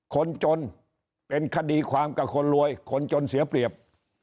คนจนเป็นคดีความกับคนรวยคนจนเสียเปรียบ